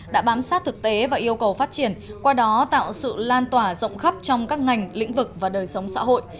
đã bám sát thực tế và yêu cầu phát triển qua đó tạo sự lan tỏa rộng khắp trong các ngành lĩnh vực và đời sống xã hội